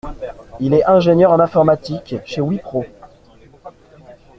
Il est ingénieur en informatique chez WIPRO.